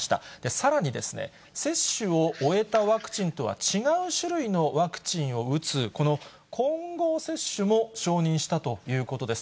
さらに、接種を終えたワクチンとは違う種類のワクチンを打つこの混合接種も承認したということです。